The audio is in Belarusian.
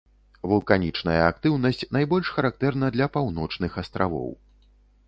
Вулканічная актыўнасць найбольш характэрна для паўночных астравоў.